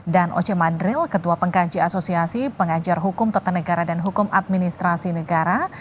dan oce madril ketua pengkaji asosiasi pengajar hukum tata negara dan hukum administrasi negara